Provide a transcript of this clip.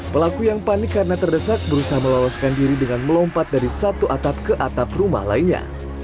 pelaku yang panik karena terdesak berusaha meloloskan diri dengan melompat dari satu atap ke atap rumah lainnya